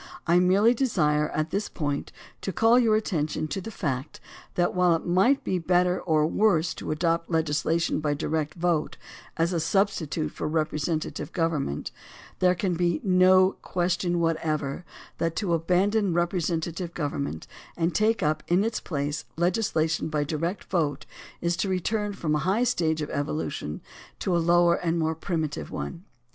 I merely desire at this pomt to call your attention to the fact that, while it might be better or worse to adopt legislation by direct vote as a substitute for representative government, there can be no question whatever that to abandon repre sentative government and take up in its place legisla tion by direct vote is to return from a high stage of evolution to a lower and more primitive one.